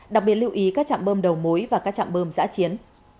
đặc biệt lưu ý các trạng bơm đầu mối và các trạng bơm giã chiến